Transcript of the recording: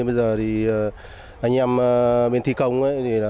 bây giờ thì anh em bên thi công